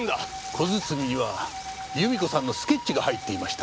小包には由美子さんのスケッチが入っていました。